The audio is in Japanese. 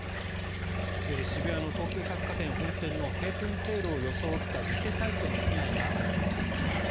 渋谷の東急百貨店本店の閉店セールを装った偽サイトの被害が相次いでいます。